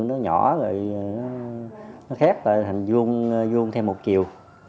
nó nhỏ rồi nó khép thành vuông thêm một chiều